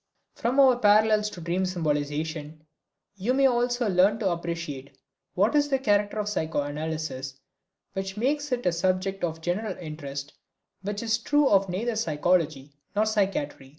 From our parallels to dream symbolization you may also learn to appreciate what is the character of psychoanalysis which makes it a subject of general interest, which is true of neither psychology nor psychiatry.